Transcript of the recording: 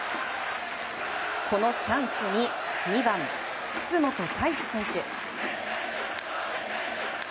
このチャンスに２番、楠本泰史選手。